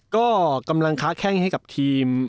ก็กำลังค้าแข้งให้กับทีม